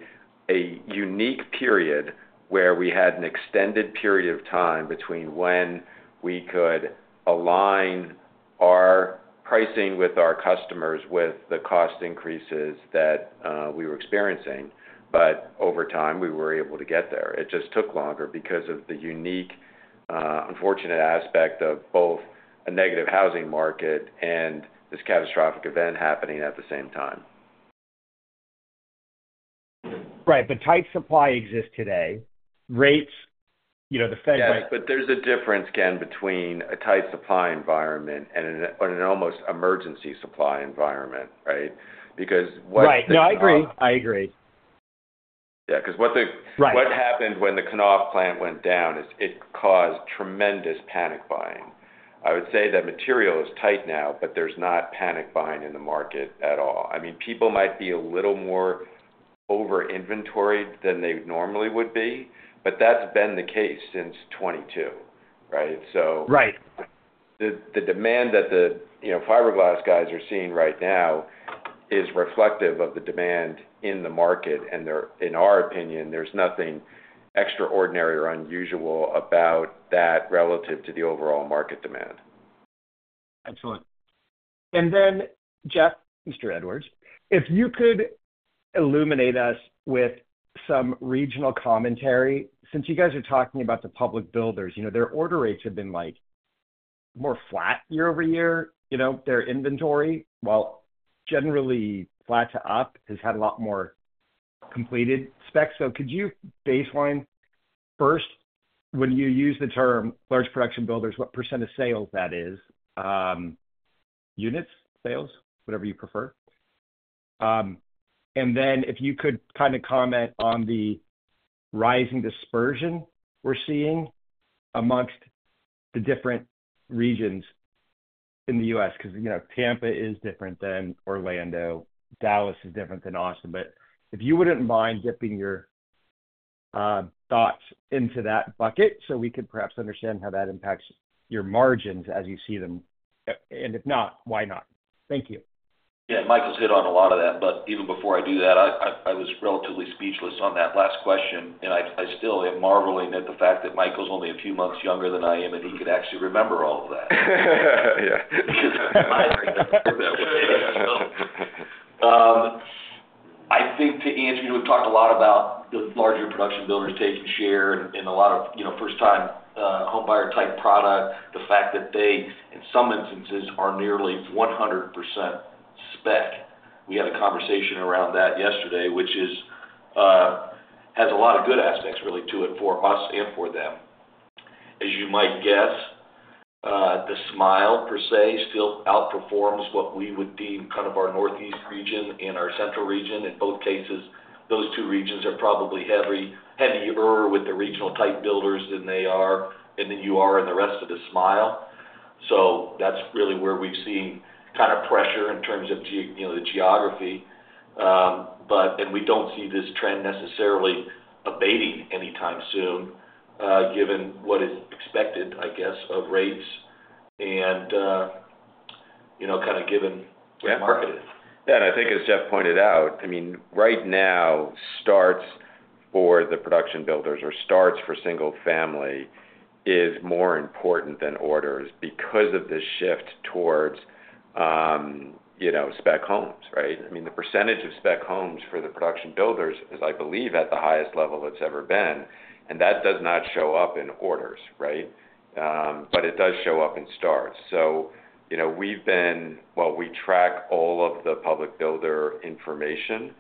unique period where we had an extended period of time between when we could align our pricing with our customers with the cost increases that we were experiencing. But over time, we were able to get there. It just took longer because of the unique, unfortunate aspect of both a negative housing market and this catastrophic event happening at the same time. Right. But tight supply exists today. Rates, the Fed rates. Yeah, but there's a difference, Ken, between a tight supply environment and an almost emergency supply environment, right? Because what. Right. No, I agree. I agree. Yeah. Because what happened when the Knauf plant went down is it caused tremendous panic buying. I would say that material is tight now, but there's not panic buying in the market at all. I mean, people might be a little more over-inventoried than they normally would be, but that's been the case since 2022, right? So the demand that the fiberglass guys are seeing right now is reflective of the demand in the market. And in our opinion, there's nothing extraordinary or unusual about that relative to the overall market demand. Excellent. And then, Jeff, Mr. Edwards, if you could illuminate us with some regional commentary. Since you guys are talking about the public builders, their order rates have been more flat year over year. Their inventory, while generally flat to up, has had a lot more completed specs. So could you baseline first, when you use the term large production builders, what % of sales that is? Units, sales? Whatever you prefer. And then if you could kind of comment on the rising dispersion we're seeing amongst the different regions in the U.S. because Tampa is different than Orlando. Dallas is different than Austin. But if you wouldn't mind dipping your thoughts into that bucket so we could perhaps understand how that impacts your margins as you see them. And if not, why not? Thank you. Yeah. Michael's hit on a lot of that. But even before I do that, I was relatively speechless on that last question. And I still am marveling at the fact that Michael's only a few months younger than I am, and he could actually remember all of that. Yeah. I think to answer, we've talked a lot about the larger production builders taking share in a lot of first-time home buyer-type product, the fact that they, in some instances, are nearly 100% spec. We had a conversation around that yesterday, which has a lot of good aspects, really, to it for us and for them. As you might guess, the SMILE, per se, still outperforms what we would deem kind of our Northeast region and our Central region. In both cases, those two regions are probably heavier with the regional-type builders than they are, and then you are in the rest of the SMILE. So that's really where we've seen kind of pressure in terms of the geography, and we don't see this trend necessarily abating anytime soon, given what is expected, I guess, of rates and kind of given where the market is. Yeah, and I think, as Jeff pointed out, I mean, right now, starts for the production builders or starts for single-family is more important than orders because of the shift towards spec homes, right? I mean, the percentage of spec homes for the production builders is, I believe, at the highest level it's ever been. That does not show up in orders, right? But it does show up in starts. So we've been, we track all of the public builder information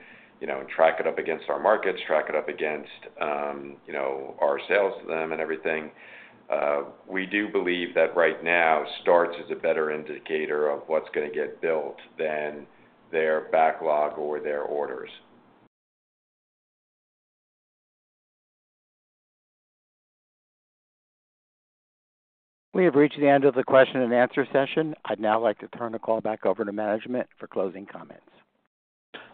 and track it up against our markets, track it up against our sales to them and everything. We do believe that right now, starts is a better indicator of what's going to get built than their backlog or their orders. We have reached the end of the question and answer session. I'd now like to turn the call back over to management for closing comments.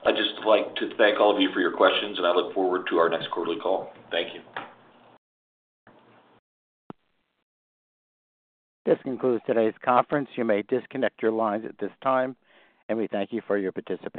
I'd just like to thank all of you for your questions, and I look forward to our next quarterly call. Thank you. This concludes today's conference. You may disconnect your lines at this time, and we thank you for your participation.